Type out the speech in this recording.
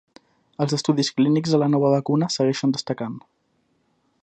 Els estudis clínics de la nova vacuna segueixen destacant.